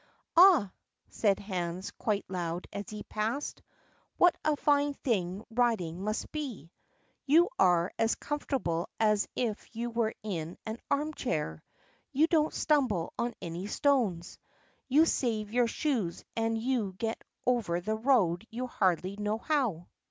"Ah!" said Hans quite loud as he passed, "what a fine thing riding must be. You are as comfortable as if you were in an arm chair; you don't stumble over any stones; you save your shoes, and you get over the road you hardly know how."